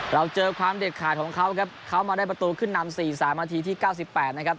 เราเจอความเด็ดขาดของเขาครับเขามาได้ประตูขึ้นนำ๔๓นาทีที่๙๘นะครับ